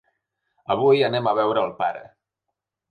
Avui anem a veure al pare.